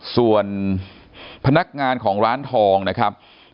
ส่วนพนักงานของร้านทองนะครับ